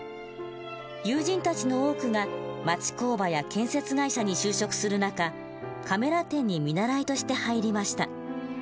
友人たちの多くが町工場や建設会社に就職する中カメラ店に見習いとして入りました。